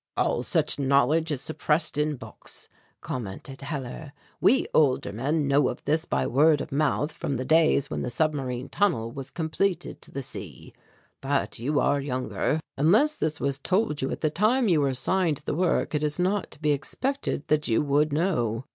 "All such knowledge is suppressed in books," commented Hellar; "we older men know of this by word of mouth from the days when the submarine tunnel was completed to the sea, but you are younger. Unless this was told you at the time you were assigned the work it is not to be expected that you would know."